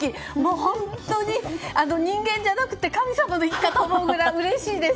本当に人間じゃなくて神様の域かと思うくらいうれしいです！